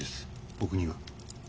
僕には。